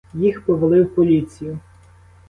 Їх повели в поліцію.